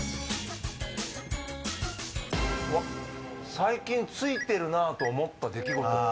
最近ツイてるなと思った出来事。